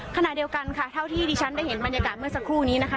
ขณะเดียวกันค่ะเท่าที่ดิฉันได้เห็นบรรยากาศเมื่อสักครู่นี้นะคะ